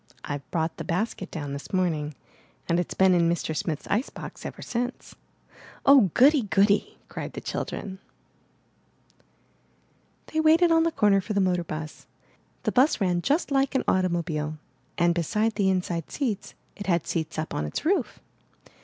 *'I brought the basket down this morning and it's been in Mr. Smith's ice box ever since." 0h, Goody! Goody!" cried the children. 412 IN THE NURSERY IV. They waited on the corner for the motor bus. The bus ran just Hke an automobile and, beside the inside seats, it had seats on its roof.